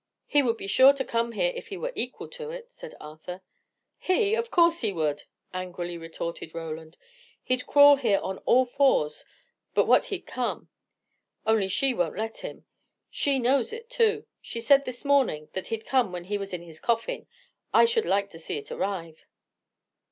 "He would be sure to come here, if he were equal to it," said Arthur. "He! Of course he would!" angrily retorted Roland. "He'd crawl here on all fours, but what he'd come; only she won't let him. She knows it too. She said this morning that he'd come when he was in his coffin! I should like to see it arrive!"